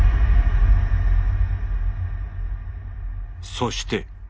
そして。